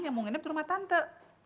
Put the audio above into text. yang mau nginep di rumah tante